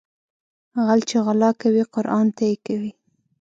غل چې غلا کوي قرآن ته يې کوي